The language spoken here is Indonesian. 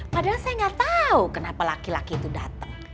padahal saya gak tau kenapa laki laki itu dateng